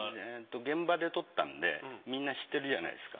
現場で取ったんでみんな知ってるじゃないですか。